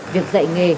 việc dạy nghề